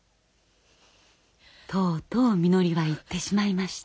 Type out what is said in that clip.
とうとうみのりは言ってしまいました。